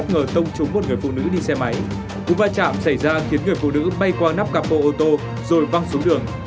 các bộ phim xảy ra khiến người phụ nữ bay qua nắp cạp bộ ô tô rồi văng xuống đường